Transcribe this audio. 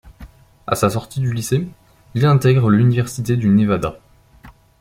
À sa sortie du lycée, il intègre l'université du Nevada.